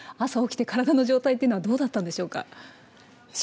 朝起きて、体の状態っていうのは、どうだったんでしょうか。